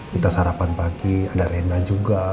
kita sarapan pagi ada renda juga